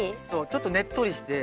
ちょっとねっとりして。